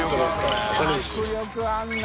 迫力あるな。